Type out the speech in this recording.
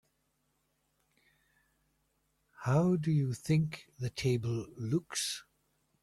How do you think the table looks?